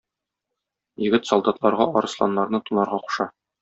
Егет солдатларга арысланнарны тунарга куша.